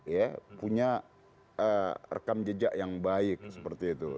ya punya rekam jejak yang baik seperti itu